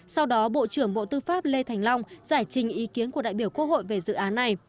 sau đó bộ trưởng bộ tư pháp lê thành long giải trình ý kiến của đại biểu quốc hội về dự án này